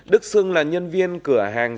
đức xưng là nhân viên cửa hàng